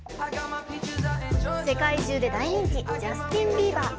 世界中で大人気ジャスティン・ビーバー。